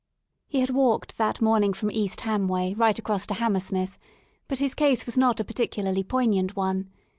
He had walked that morning from East Ham way right across to Hammersmith but his case was not a particularly poignant one.